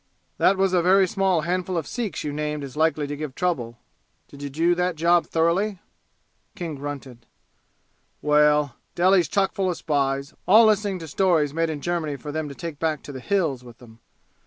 "That was a very small handful of Sikhs you named as likely to give trouble. Did you do that job thoroughly?" King grunted. "Well Delhi's chock full of spies, all listening to stories made in Germany for them to take back to the 'Hills' with 'em.